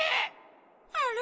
あれ？